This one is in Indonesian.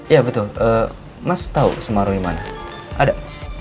iya betul mas tahu sumarno dimana ada